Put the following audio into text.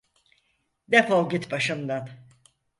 Defol git başımdan!